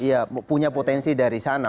ya punya potensi dari sana